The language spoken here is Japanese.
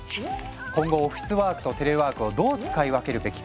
今後オフィスワークとテレワークをどう使い分けるべきか？